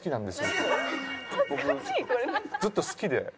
僕ずっと好きで。